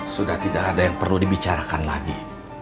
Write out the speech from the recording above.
sudah tidak ada yang perlu dibicarakan lagi